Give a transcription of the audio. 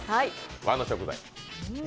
和の食材。